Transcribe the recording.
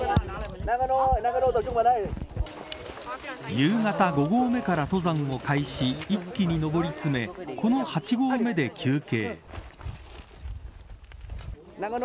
夕方５合目から登山を開始一気に登り詰めこの８合目で休憩。